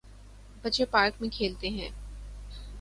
بچے پارک میں کھیلتے ہیں۔